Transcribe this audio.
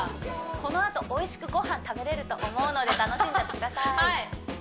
このあとおいしくごはん食べれると思うので楽しんじゃってくださいはい！